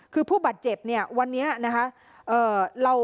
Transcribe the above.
คือผู้บาดเจ็บเนี่ยวันนี้นะคะ